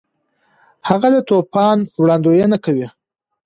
هغه د طوفان وړاندوینه کوي.